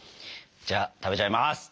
じゃあ食べちゃいます！